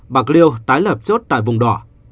bạc liêu tái lập chốt tại vùng đỏ